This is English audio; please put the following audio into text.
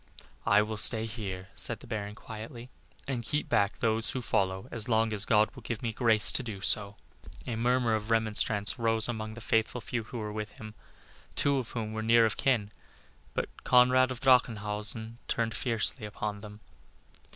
"I will stay here," said the Baron, quietly, "and keep back those who follow as long as God will give me grace so to do." A murmur of remonstrance rose among the faithful few who were with him, two of whom were near of kin. But Conrad of Drachenhausen turned fiercely upon them.